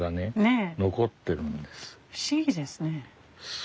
不思議ですね。